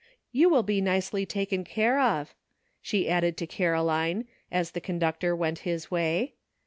"You will be nicely taken care of," she added to Caroline, as the conductor went his way.